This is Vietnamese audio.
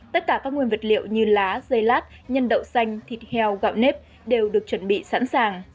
tất cả các nguyên vật liệu như lá dây lát nhân đậu xanh thịt heo gạo nếp đều được chuẩn bị sẵn sàng